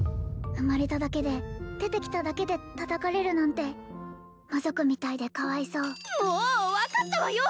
生まれただけで出てきただけで叩かれるなんて魔族みたいでかわいそうもう分かったわよ！